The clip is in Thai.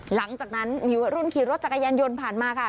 หลังจากนั้นมีวัยรุ่นขี่รถจักรยานยนต์ผ่านมาค่ะ